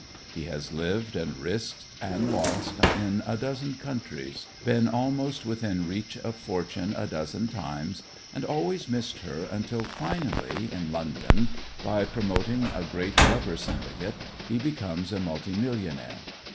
He has lived and risked and lost in a dozen countries, been almost within reach of fortune a dozen times, and always missed her until, finally, in London, by promoting a great rubber syndicate he becomes a multi millionaire.